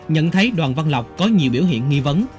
nhận thấy đoàn văn lọc có nhiều biểu hiện nghi vấn